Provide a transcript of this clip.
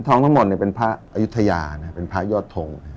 ทองทั้งหมดเนี่ยเป็นพระอยุธยานะฮะเป็นพระยอดทงนะฮะ